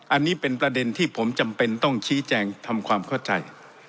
อันนี้เป็นประเด็นที่ผมจำเป็นต้องชี้แจงทำความเข้าใจ